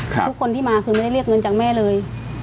ทุกคนที่มาคือไม่ได้เรียกเงินจากแม่เลย